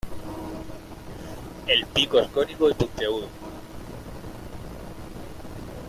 El pico es cónico y puntiagudo.